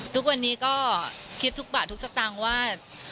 ทุกวันนี้ก็คิดทุกบาททุกสตางค์ว่า